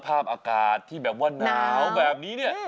ภาพอากาศที่แบบว่าหนาวแบบนี้เนี่ย